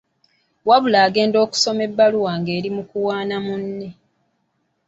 Wabula agenda okusoma ebbaluwa nga eri mu kuwaana munne.